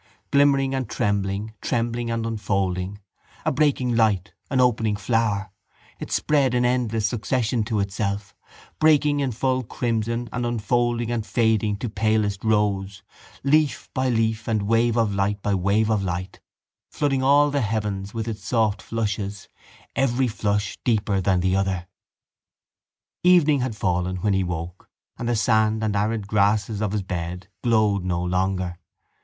Glimmering and trembling, trembling and unfolding, a breaking light, an opening flower, it spread in endless succession to itself, breaking in full crimson and unfolding and fading to palest rose, leaf by leaf and wave of light by wave of light, flooding all the heavens with its soft flushes, every flush deeper than the other. Evening had fallen when he woke and the sand and arid grasses of his bed glowed no longer.